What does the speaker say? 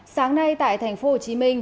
sáng nay tại thành phố hồ chí minh